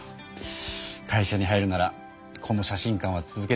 会社に入るならこの写真館は続けていけないしね。